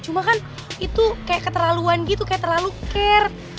cuma kan itu kayak keterlaluan gitu kayak terlalu care